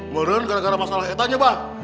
beren gara gara masalah kita nya bah